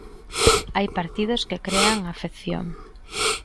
Hai partidos que crean afección.